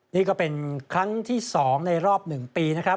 นี่ก็เป็นครั้งที่๒ในรอบ๑ปีนะครับ